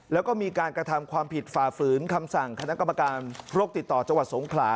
แล้วก็มีการกระทำความผิดฝ่าฝืนคำสั่งคณะกรรมการโรคติดต่อจังหวัดสงขลา